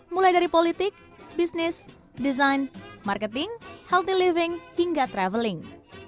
mulai dari politik bisnis desain marketing healthy living hingga traveling